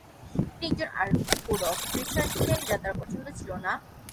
তিনি একজন অর্থোডক্স খ্রিস্টান ছিলেন যা তার পছন্দ ছিলনা।